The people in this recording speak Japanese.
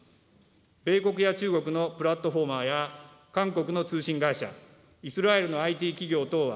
米国や中国のプラットフォーマーや韓国の通信会社、イスラエルのＩＴ企業等は、